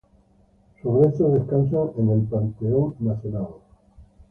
Sus restos descansan en el Panteón Nacional.